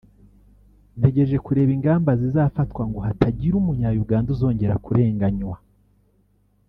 ntegereje kureba ingamba zizafatwa ngo hatagira Umunya-Uganda uzongera kurenganywa